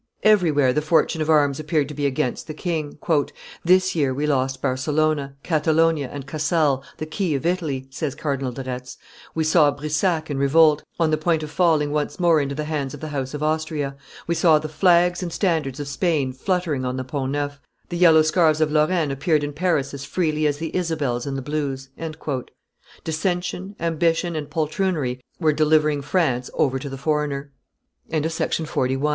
Everywhere the fortune of arms appeared to be against the king. "This year we lost Barcelona, Catalonia, and Casale, the key of Italy," says Cardinal de Retz. We saw Brisach in revolt, on the point of falling once more into the hands of the house of Austria. We saw the flags and standards of Spain fluttering on the Pont Neuf, the yellow scarfs of Lorraine appeared in Paris as freely as the isabels and the blues." Dissension, ambition, and poltroonery were delivering France over to the foreigner. The evil passions of men, under the control of God, help sometimes to destroy and sometimes to preserve them.